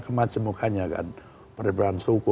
kemacemukannya kan perbedaan suku